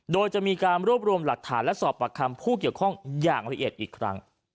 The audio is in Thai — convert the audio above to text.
โดยจะมีการรวบรวมหลักฐานและสอบประคำผู้เกี่ยวข้องอย่างละเอียดอีกครั้ง